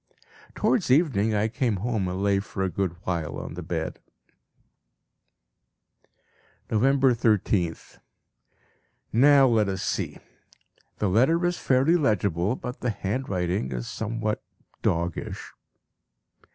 Towards evening I came home and lay for a good while on the bed. November 13th. Now let us see! The letter is fairly legible but the handwriting is somewhat doggish.